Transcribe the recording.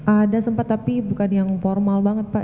ada sempat tapi bukan yang formal banget pak